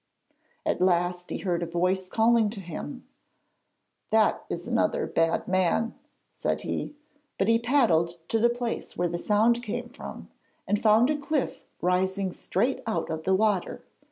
At last he heard a voice calling to him. 'That is another bad man,' said he; but he paddled to the place where the sound came from, and found a cliff rising straight out of the water.